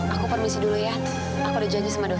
aku permisi dulu ya aku udah janji sama doa